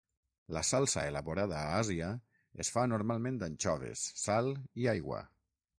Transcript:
La salsa elaborada a Àsia es fa normalment d'anxoves, sal i aigua.